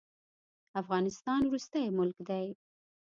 افغانستان وروستی ملک دی.